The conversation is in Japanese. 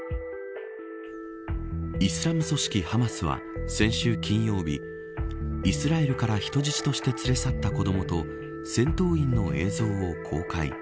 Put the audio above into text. イスラム組織ハマスは先週金曜日イスラエルから人質として連れ去った子どもと戦闘員の映像を公開。